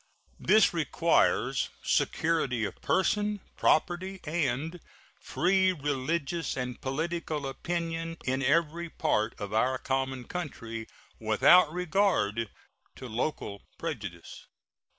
This requires security of person, property, and free religious and political opinion in every part of our common country, without regard to local prejudice.